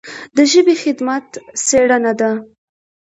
د ژبې خدمت څېړنه ده.